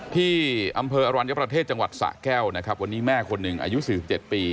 ที่อำเภออรรวรณยประเทศจังหวัดสาแก้วนะครับวันนี้แม่คนหนึ่งอายุสี่สิบเจ็ดปี